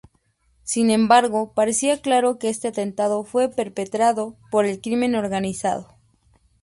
Sin embargo, parecía claro que este atentado fue perpetrado por el crimen organizado.